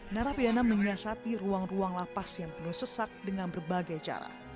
narapidana menyiasati ruang ruang lapas yang penuh sesak dengan berbagai cara